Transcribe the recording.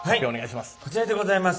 こちらでございます。